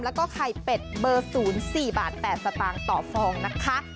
แล้วก็ไข่เป็ดเบอร์๐๔บาท๘สตางค์ต่อฟองนะคะ